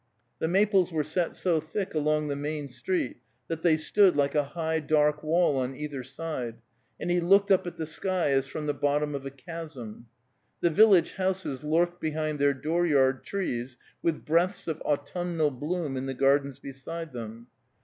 The maples were set so thick along the main street that they stood like a high, dark wall on either side, and he looked up at the sky as from the bottom of a chasm. The village houses lurked behind their door yard trees, with breadths of autumnal bloom in the gardens beside them.